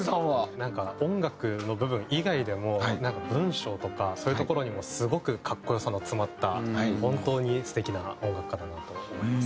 なんか音楽の部分以外でも文章とかそういうところにもすごく格好良さの詰まった本当に素敵な音楽家だなと思います。